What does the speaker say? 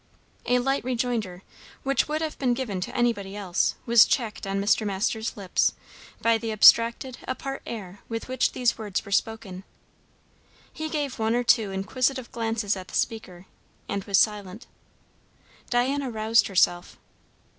A light rejoinder, which would have been given to anybody else, was checked on Mr. Masters' lips by the abstracted, apart air with which these words were spoken. He gave one or two inquisitive glances at the speaker, and was silent. Diana roused herself.